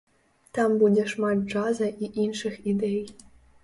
Там будзе шмат джаза і іншых ідэй.